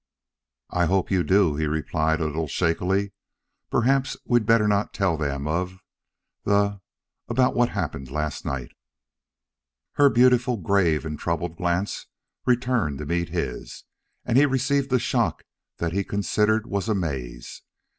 "I hope you do," he replied, a little shakily. "Perhaps we'd better not tell them of the the about what happened last night." Her beautiful, grave, and troubled glance returned to meet his, and he received a shock that he considered was amaze.